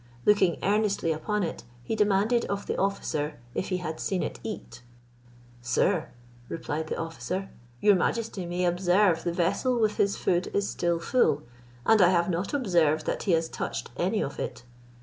Looking earnestly upon it, he demanded of the officer, if he had seen it eat. "Sir," replied the officer, "your majesty may observe the vessel with his food is still full, and I have not observed that he has touched any of it."